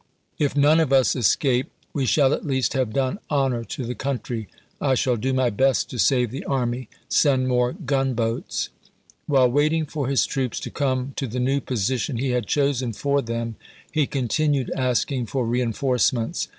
" If none of us escape, we shall at least have done honor to the country. I v^.'xi., shall do my best to save the army. Send more ^p^*28o.^' gunboats." While waiting for his troops to come to the new position he had chosen for them, he continued asking for reenforcements.